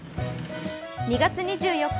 ２月２４日